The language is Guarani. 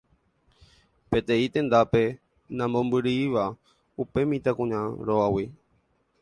peteĩ tendápe namombyrýiva upe mitãkuñami rógagui.